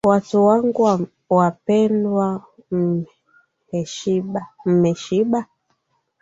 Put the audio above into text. Watu wangu wapendwa mmeshiba?